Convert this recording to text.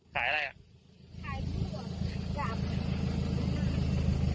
ขายอะไรอ่ะ